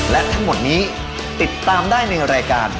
และทั้งหมดนี้ติดตามได้ในรายการ